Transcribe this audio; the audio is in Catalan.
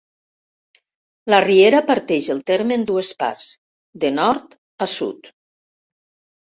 La riera parteix el terme en dues parts, de nord a sud.